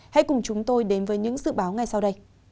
hãy cùng chúng tôi đến với những dự báo ngay sau đây